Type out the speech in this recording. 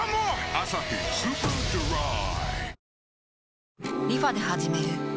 「アサヒスーパードライ」